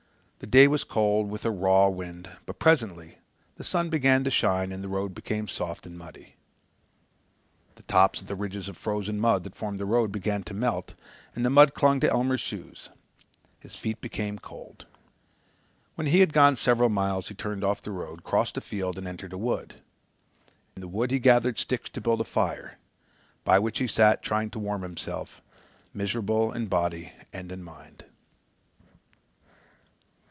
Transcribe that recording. The day was cold with a raw wind, but presently the sun began to shine and the road became soft and muddy. The tops of the ridges of frozen mud that formed the road began to melt and the mud clung to Elmer's shoes. His feet became cold. When he had gone several miles he turned off the road, crossed a field and entered a wood. In the wood he gathered sticks to build a fire, by which he sat trying to warm himself, miserable in body and in mind.